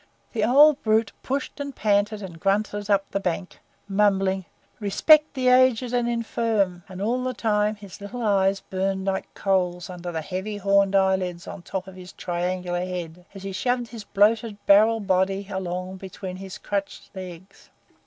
The old brute pushed and panted and grunted up the bank, mumbling, "Respect the aged and infirm!" and all the time his little eyes burned like coals under the heavy, horny eyelids on the top of his triangular head, as he shoved his bloated barrel body along between his crutched legs.